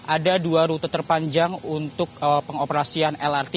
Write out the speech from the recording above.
ada dua rute terpanjang untuk pengoperasian lrt